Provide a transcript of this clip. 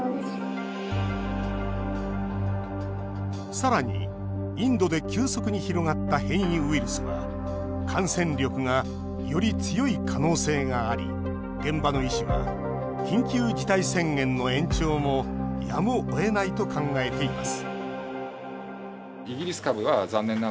さらに、インドで急速に広がった変異ウイルスは感染力が、より強い可能性があり現場の医師は緊急事態宣言の延長もやむをえないと考えています